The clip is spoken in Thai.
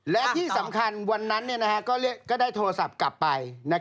และที่สำคัญวันนั้นก็ได้โทรศัพท์กลับไป